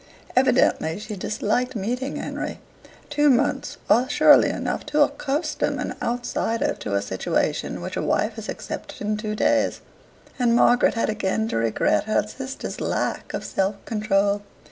Evidently she disliked meeting Henry. Two months are surely enough to accustom an outsider to a situation which a wife has accepted in two days, and Margaret had again to regret her sister's lack of self control.